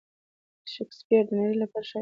شکسپیر د نړۍ لپاره شاعر دی.